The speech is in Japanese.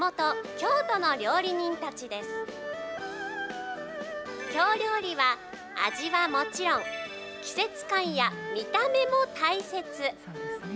京料理は、味はもちろん、季節感や見た目も大切。